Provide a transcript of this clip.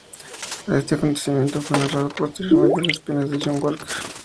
Este acontecimiento fue narrado posteriormente en "Las penas del joven Werther".